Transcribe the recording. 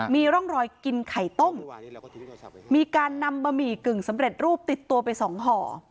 มีร่องรอยกินไข่ต้มมีการนำบะหมี่กึ่งสำเร็จรูปติดตัวไปสองห่อ